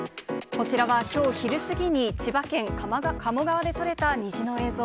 こちらはきょう昼過ぎに、千葉県鴨川で撮れた虹の映像。